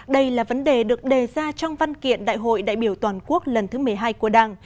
đây là vấn đề được đề ra trong văn kiện đại hội đại biểu toàn quốc lần thứ một mươi hai của đảng